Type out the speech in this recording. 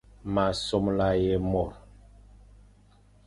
M a somla ye môr.